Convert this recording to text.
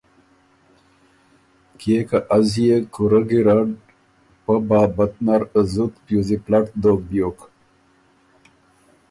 کيې که از يې کُورۀ ګیرډ پۀ بابت نر زُت پیوزی پلټ دوک بیوک